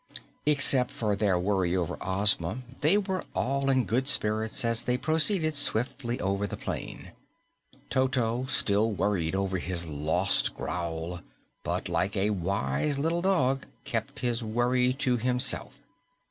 Except for their worry over Ozma, they were all in good spirits as they proceeded swiftly over the plain. Toto still worried over his lost growl, but like a wise little dog kept his worry to himself.